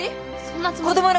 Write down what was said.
そんなつもりは。